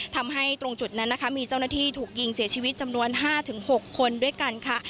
ทำให้ตรงจุดนั้นนะคะมีเจ้าหน้าที่ถูกยิงเสียชีวิตจำนวน๕๖คนด้วยกันค่ะ